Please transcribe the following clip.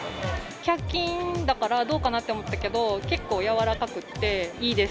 １００均だからどうかなと思ったけど、結構柔らかくっていいです。